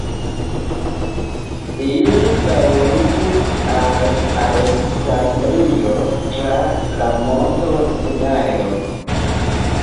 Ili daŭrigis al Aleksandrio tra la Monto Sinajo.